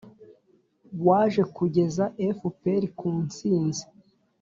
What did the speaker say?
waje kugeza fpr ku nsinzi.